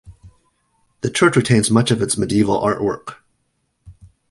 The church retains much of its medieval woodwork.